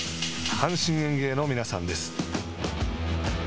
阪神園芸の皆さんです。